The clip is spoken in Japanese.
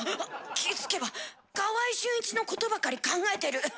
気付けば川合俊一のことばかり考えてる。